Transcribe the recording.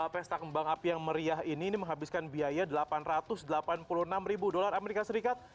pesta kembang api yang meriah ini menghabiskan biaya delapan ratus delapan puluh enam ribu dolar amerika serikat